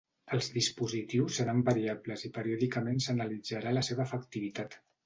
Els dispositius seran variables i periòdicament se n’analitzarà la seva efectivitat.